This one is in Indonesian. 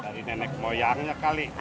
dari nenek moyangnya kali